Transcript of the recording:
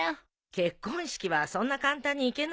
結婚式はそんな簡単に行けないのよ。